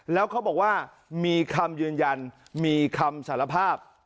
แล้วเขาบอกว่ามีคำยืนยันมีคำสารภาพ